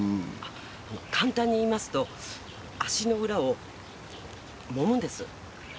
簡単に言いますと足の裏をもむんです